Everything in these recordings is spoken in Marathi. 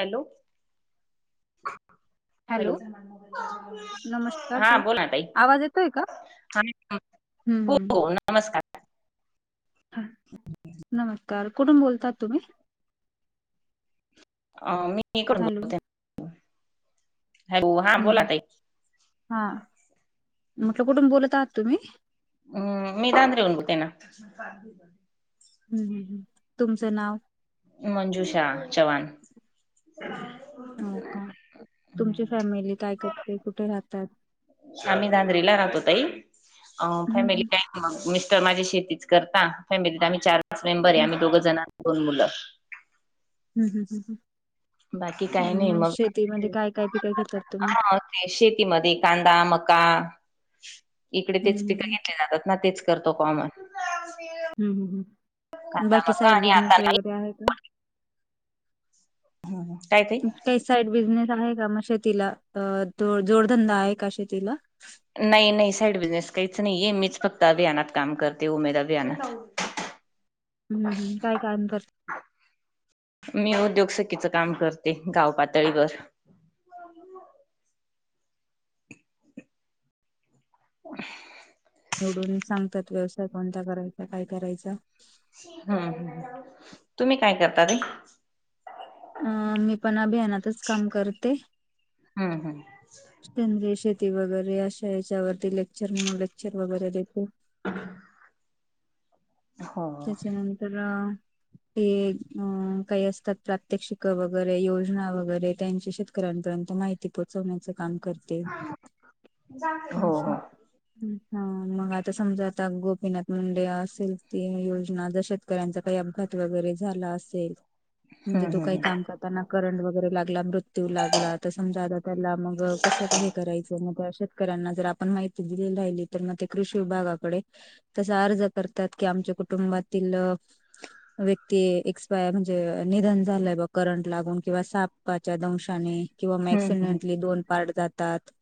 हॅलो हॅलो हा बोला ताई. आवाज येतोय का? हा हम्म हम्म. हो नमस्कार. ह नमस्कार कुठून बोलतात तुम्ही. अ मी इकडून हॅलो बोलते हॅलो. हा हम्म बोला हम्म. ताई. हा. म्हटलं कुठून बोलत आहात तुम्ही? हम्म. मी नांद्रेहून बोलतेना. हम तुमचं नाव? मंजूषा चवान. हो का. तुमची फॅमिली काय करते? कुठे राहतात? आम्ही दांद्रेला राहतो ताई. अ हम्म फॅमिली हम्म. काय मग मिस्टर माझी शेतीच करत. फॅमिलीत आम्ही चारच मेंबर आहे. हम्म. आम्ही दोघ जण, दोन मुलं. हम्म हम् हम् ह बाकी काही नाही मग शेतीमध्ये काय काय पिक घेतात तुम्ही? हा शेतीमध्ये कांदा, मका इकडे हम्म तेच हम्म पिक हम्म. घेतले जातात ना. तेच करतो काम. हम हम हम कांदा बाकी मका साईड आणि बिझनेस आता नाही वगैरे आहे का? हम हम काय ताई? काही साईड बिझनेस आहे का मग शेतीला? अ जोडधंदा आहे का शेतीला? नाही नाही साईड बिझनेस काहीच नाहीये. मीच फक्त अभियानात काम करते उमेदा अभियानात. हम्म हम. काय काम कर मी उद्योगसखीचं काम करते गाव पातळीवर. [inaudible] निवडून सांगतात. व्यवसाय कोणता करायचा. काय करायचा. हम्म हम् तुम्ही काय करता रे? अ मी पण अभियानातच काम करते. हम हम. तेनले शेती वगैरे अशा याच्यावरती लेक्चर म्हणून लेक्चर वगैरे देते. [unintelligible] हो त्याच्यानंतर अ ते अ काही असतात प्रात्यक्षिक वगैरे, योजना वगैरे, त्यांच्याशी घरापर्यंत माहिती पोहचवण्याच काम करते. हो अच्छा. हो हा मग आता समजा आता गोपीनाथ मुंडे असेल. ते योजना जर शेतकऱ्यांचा काही अपघात वगैरे झाला असेल. म्हणजे हम्म तो काही हम्म काम करताना करंट वगैरे लागला. मृत्यू लागला तर समजा आता त्यांनला मग कसं हे करायचं मग अश्या कराना जर आपण माहिती दिली. राहिली तर मग ते कृषी विभागाकडे तसा अर्ज करतात. कि आमच्या कुटुंबातील व्यक्ती एक्सपायर म्हणजे निधन झालंय बा करंट लागून किंवा सापाच्या दंशाने किंवा हम्म मॅक्सिडेंटली दोन पार्ट जातात.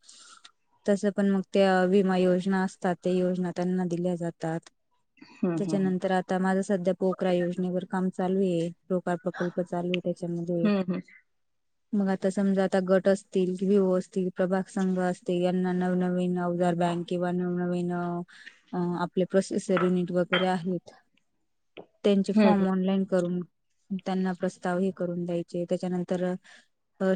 तसं पण मग त्या विमा योजना असतात ते योजना त्यांना दिल्या जातात. हम्म हम्म त्याच्यानंतर आता माझं सध्या पोकरा योजनेवर काम चालू आहे. पोकार प्रकल्प चालू आहे. त्याच्यामध्ये हम्म मग आता समजा आता गट असतील. विओ असतील. प्रभाग संघ असतील. यांना नवनवीन अवजार बँक किंवा नवनवीन आपले प्रोसेस सरीने वगैरे आहेत. त्यांचे हम्म फॉर्म ऑनलाईन करून त्यांना प्रस्ताव हे करून द्यायचे. त्याच्यानंतर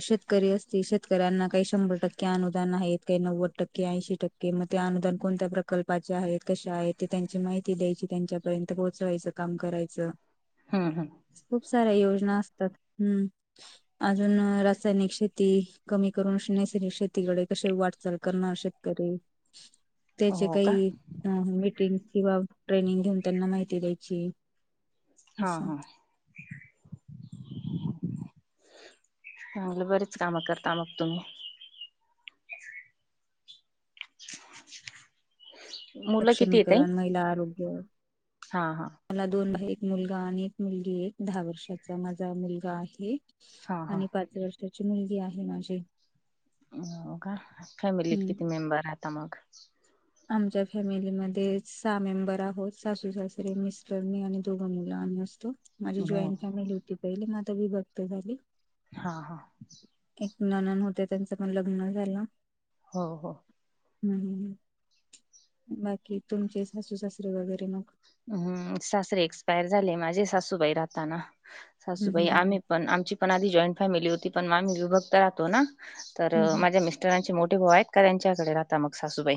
शेतकरी असतील शेतकऱ्यांना काही शंभर टक्के अनुदान आहेत. काही नव्वद टक्के, ऐशी टक्के मग ते अनुदान कोणत्या प्रकल्पाचे आहेत. कशे आहेत ते त्यांची माहिती ती द्यायची. त्यांच्यापर्यंत पोहोचवायचं. काम करायचं. हम्म हम्म हम्म खूप साऱ्या योजना असतात हुं. अजून रासायनिक शेती कमी करून, नैसर्गिक शेतीकडे कसे वाटचाल करणार शेतकरी त्याचे हो का काही मीटिंग किंवा ट्रेनिंग घेऊन त्यांना माहिती द्यायची. हा हा. ह [inaudible] चांगलं बरीच कामं करता मग तुम्ही? [inaudible] किती आहे ताई सक्षमीकरण, महिला आरोग्य हा हा. मला दोन मुले एक मुलगा आणि एक मुलगी ये. दहा वर्षाचा माझा मुलगा आहे हा हा आणि पाच वर्षाची मुलगी आहे माझी. हो का? फॅमिलीत हम्म किती मेंबर आता मग? आमच्या फॅमिलीमध्ये सहा मेंबर आहोत. सासू सासरे, मिस्टर, मी आणि दोघ मुल आमी असतो. माझी हो जॉईंट फॅमिली होती पहिले, म आता विभक्त झाली. हा हा. एक नणंद होते, त्यांचं पण लग्न झालं. हो हो. हू हू. बाकी तुमचे सासू सासरे वगैरे मग. हुं. सासरे एक्सपायर झाले माझे, सासूबाई राहताना हम्म सासूबाई, हम्म हम्म आम्ही पण, आमची पण आधी जॉईंट फॅमिली होती, पण आम्ही विभक्त राहतो ना तर अ हम्म हम्म. माझ्या मिस्टरांचे मोठीे भाऊ आहेत का? त्यांच्याकडे राहता मग सासूबाई.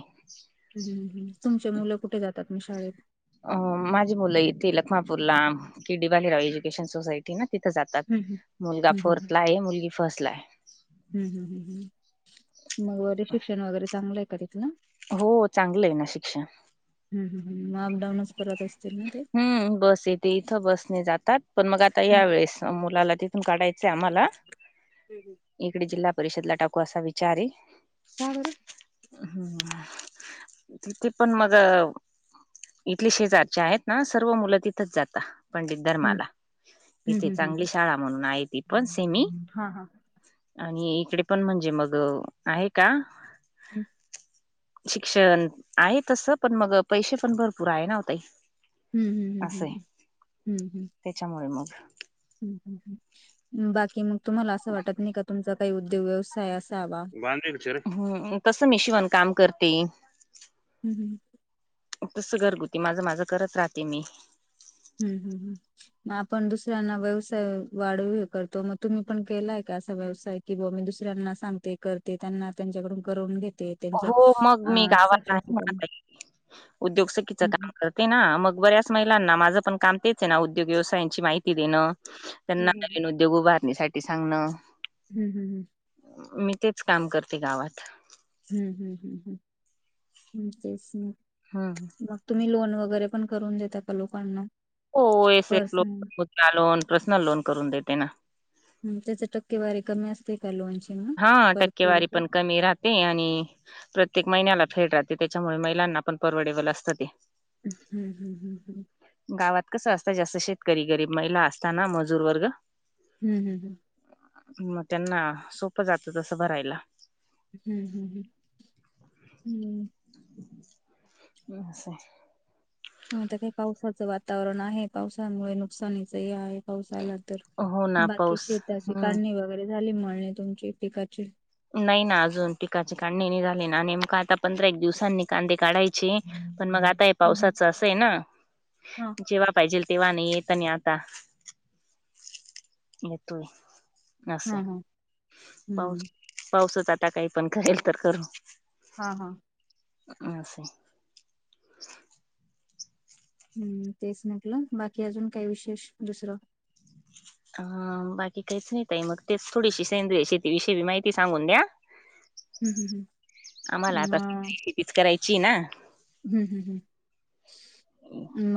हू हू. तुमची मुलं कुठे जातात म शाळेत? अ माझी मुलं इथे लखमापूरला, किडी बालेराव एज्युकेशन सोसायटी ते ना तिथं जातात. हम्म मुलगा हम्म फोर्थ ला आहे. मुलगी फर्स्ट ला आहे. हू हू हू हू. मग वगैरे शिक्षण वगैरे चांगलं आहे का तिथल? हो चांगलय ना शिक्षण. हू हू हू. म अपडाऊनच करत असतील ना? ते? हुं. बस येते इथं, बसणे जातात. मग आता हम्म. यावेेळेस मुलाला तिथून काढायचंय आम्हाला हू हू. इकडे जिल्हा परिषदला टाकू, असा विचार ये. का बरं? हू. तिथे पण मग, इथली शेजारचे आहेत ना सर्व मुल तिथंच जाता. पंडित हम्म धर्माला, हम्म इथे हम्म चांगली शाळा म्हणून हाय ती पण, सेमी हम्म. हा हा. आणि इकडे पण म्हणजे मग आहे का? हू. शिक्षण आहे तसं, पण मग पैसे पण भरपूर आहे ना, ओ ताई. हू हू हू हू हू. हू. हेच्यामुळे मग हू हू. बाकी मग तुम्हाला असं वाटत नाही, का तुमचा काही उद्योग व्यवसाय असावा? बांधील शरे. तसं मी शिवण काम करते. हू हू. तसं घरगुती, माझं माझं करत राहते मी. हम् हम् हम्. मग आपण दुसऱ्यांना व्यवसाय वाढव हे करतो, मग तुम्ही पण केलाय का असा व्यवसाय कि बो, मी दुसऱ्यांना सांगते, करते, त्यांना त्यांच्याकडून करवून घेते त्यांच्या हो मग मी अ, गावात सक्सेस करून [unintelligible] उद्योगसखीच हं, हं. काम कर तेना, मग बऱ्याच महिलांना. माझं पण काम तेच आहे ना, उद्योग व्यवसायाची माहिती देण. त्यांना हं, हं, नवीन उद्योग उभारणीसाठी सांगणं. हम् हम् ह्. मी तेच काम करते गावात. हम्म हम् हम् हम् हम् तेच ना. ह. मग तुम्ही लोन वगैरे पण करून देता का लोकांना? हो, [unintelligible] पर्सनल? पर्सनल लोन करून देते ना. ह, त्याच टक्केवारी कमी असते का लोनची मग, परत फेडी ची? ते आणि प्रत्येक महिन्याला फेड राहते, त्याच्यामुळे महिलांना पण परवडेबल असतं ते. हम्म हम् हम् ह. गावात कसं असत, जास्त शेतकरी गरीब महिला असताना. मजूर वर्ग. हम् हम् हम. म त्यांना सोपं जात तसं भरायला. हम्म हम्म हम् हम्म. [unintelligible] आता ते पावसाचं वातावरण आहे, पावसानमुळे नुकसानीच हे आहे. पाऊस आला तर. हो ना बाकी पाऊस शेताची हम्म काढणी वगैरे झाली मळणी तुमची पिकाची? नाही ना अजून, पिकाची काढणी नई झाली. नेमक आता पंधरा एक दिवसांनी कांदे काढायची, पण मग आता हे हम्म, पावसाच अस आहे ना. हा, जेव्हा पाहिजेल तेव्हा नाही येत आणि आता येतोय. असं हा, आहे. हा, पाऊस हम्म, पाऊसच आता काही पण करेल तर करू. हा हा. अस. हम्म, तेच म्हटलं, बाकी अजून काही विशेष दुसरं? आ बाकी काहीच नाही ताई. मग तेच थोडीशी सेंद्रिय शेतीविषयी माहिती सांगून द्या‌ हम्म हम् ह् आ. हीच करायची ना? हम्म हम् हम्.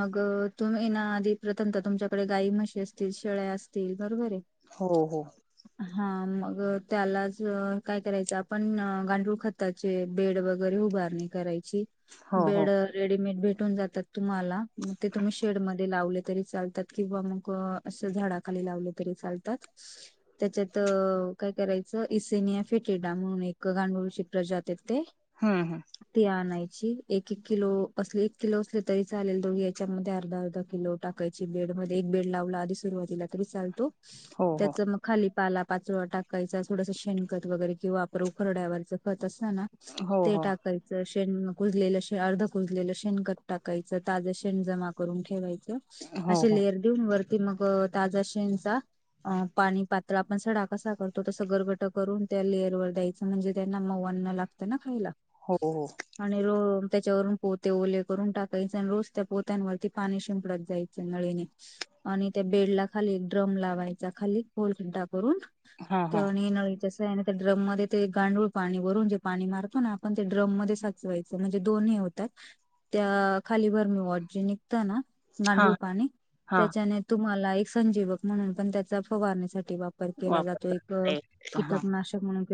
मग तुम्ही ना, आधी प्रथम तर तुमच्याकडे गायी म्हशी असतील, शेळ्या असतील बरोबर आहे? हो हो. हा, मग त्यालाच काय करायचं आपण, गांडूळ खत त्याचे बेड वगैरे उभारणे करायची. हो हो बेड रेडीमेड भेटून जातात तुम्हाला, मग ते तुम्ही शेडमध्ये लावले तरी चालतात. किंवा मग अस झाडाखाली लावले तरी चालतात. त्याच्यात काय करायचं, इसेनिया फेटेडा म्हणून एक गांडुळची प्रजात येते हम्म हम्. ती आणायची एक एक किलो असली, एक किलो असली तरी चालेल. दोघी याच्यामध्ये अर्धा अर्धा किलो टाक टाकायची बेड मध्ये, एक बेड लावला आधी सुरवातीला तरी चालतो. हो हो त्याच मग खाली पाला पाचोळा टाकायचा. थोडस शेणखत वगैरे किंवा आप उखरड्यावरच खत असतना हो ते हो टाकायच. शेण कुजलेल अर्ध कुजलेले शेणखत टाकायच. ताज शेण जमा करून ठेवायच. हो असे हो लेअर वरती मग ताजा शेनचा अ पाणी पात्र, आपण सडा कसा करतो, तस गरगट करून त्या लेयर वर द्यायच. म्हणजे त्यांना म‌ऊ अन्न लाग त ना खायला. हो हो आणि रो त्याच्यावरून पोते ओले करून टाकायचे. आणि रोज त्या पोत्यांवरती पाणी शिंपडत जायच नळीने. आणि त्या बेडला खाली एक ड्रम लावायचा खाली खोल खड्डा करून. हा ते हा आणि नळीच्या साह्याने ड्रम मध्ये ते गांडूळ पाणी, वरून जे पाणी मारतो ना आपण ते ड्रम मध्ये साचवायच. ते दोन हे होतात. त्या खालीभर मी वॉड जे निघत ना हा गांडूळ पाणी, हा त्याच्याने तुम्हाला एक संजीवक म्हणून पण त्याचा फवारणीसाठी वापर केला जातो. वापरत एक हा कीटकनाशक म्हणून